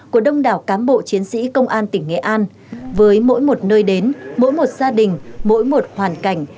của đông đảo cán bộ chiến sĩ công an tỉnh nghệ an với mỗi một nơi đến mỗi một gia đình mỗi một hoàn cảnh